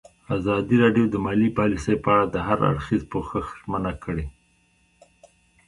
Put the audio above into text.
ازادي راډیو د مالي پالیسي په اړه د هر اړخیز پوښښ ژمنه کړې.